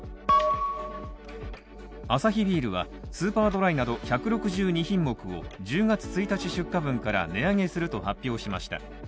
アサヒビールはスーパードライなど１６２品目を１０月１日出荷分から値上げすると発表しました。